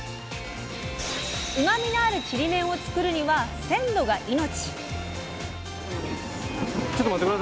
うまみのあるちりめんを作るには鮮度が命！